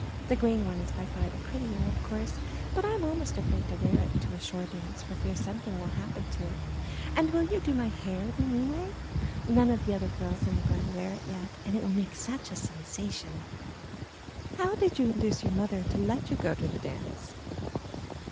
The green one is by far the prettier, of course, but I'm almost afraid to wear it to a shore dance for fear something will happen to it. And will you do my hair the new way? None of the other girls in the Glen wear it yet and it will make such a sensation." "How did you induce your mother to let you go to the dance?"